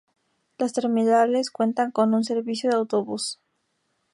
Las terminales cuentan con un servicio de autobús.